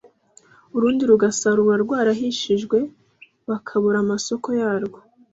urundi rugasarurwa rwarahishije bakabura amasoko yarwo.